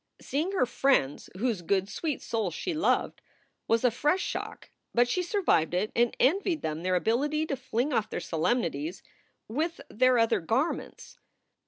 Seeing her friends, whose good sweet souls she loved, was a fresh shock, but she survived it and envied them their ability to fling off their solemnities with their other garments.